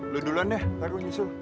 lu duluan deh taruh nyusul